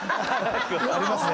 ありますね